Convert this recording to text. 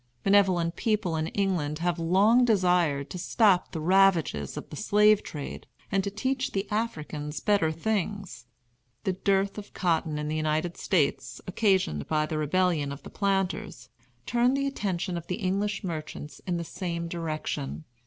Benevolent people in England have long desired to stop the ravages of the slave trade and to teach the Africans better things. The dearth of cotton in the United States, occasioned by the Rebellion of the planters, turned the attention of English merchants in the same direction.